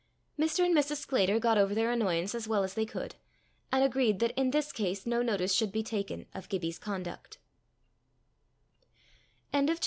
Mr. and Mrs. Sclater got over their annoyance as well as they could, and agreed that in this case no notice should be taken of Gibbie's conduct.